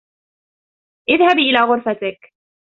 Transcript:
إذهبي إلىَ غرقتِك!